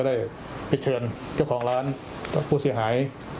ได้ไปเชิญเจ้าของร้านผู้เสียหาย